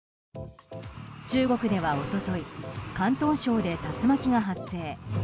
中国では一昨日広東省で竜巻が発生。